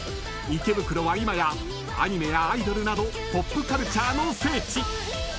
池袋は今やアニメやアイドルなどポップカルチャーの聖地］